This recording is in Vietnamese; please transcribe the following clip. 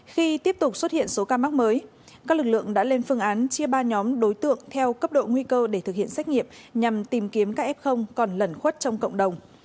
khi tiếp tục xuất hiện số ca mắc mới các lực lượng đã lên phương án chia ba nhóm đối tượng theo cấp độ nguy cơ để thực hiện xét nghiệm nhằm tìm kiếm các f còn lẩn khuất trong cộng đồng